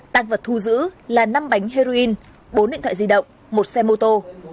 tăng vật thu giữ là năm bánh heroin bốn điện thoại di động một xe mô tô